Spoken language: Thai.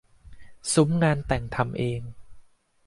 ซุ้มงานแต่งทำเอง